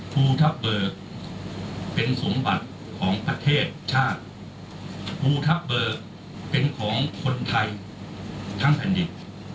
ภูทับเบิกเป็นสมบัติของประเทศชาติภูทับเบิกเป็นของคนไทยทั้งแผ่นดิน